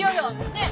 ねえ！